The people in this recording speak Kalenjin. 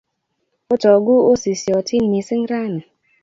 Otogu osisyotin missing' rani